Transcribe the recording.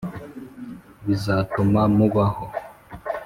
bizatuma mubaho.